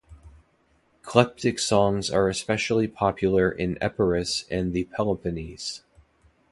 Klephtic songs are especially popular in Epirus and the Peloponnese.